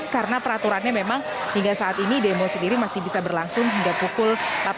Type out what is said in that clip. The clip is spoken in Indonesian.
karena peraturannya memang hingga saat ini demo sendiri masih bisa berlangsung hingga pukul delapan belas